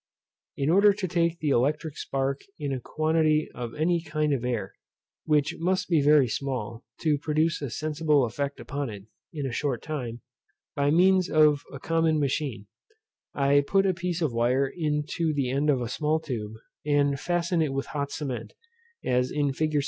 In order to take the electric spark in a quantity of any kind of air, which must be very small, to produce a sensible effect upon it, in a short time, by means of a common machine, I put a piece of wire into the end of a small tube, and fasten it with hot cement, as in fig.